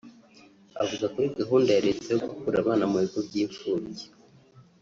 Avuga kuri gahunda ya Leta yo gukura abana mu bigo by’imfubyi